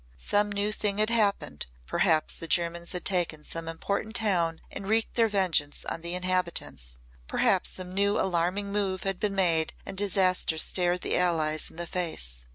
Some new thing had happened, perhaps the Germans had taken some important town and wreaked their vengeance on the inhabitants, perhaps some new alarming move had been made and disaster stared the Allies in the face.